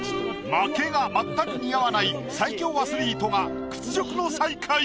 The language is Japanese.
負けがまったく似合わない最強アスリートが屈辱の最下位。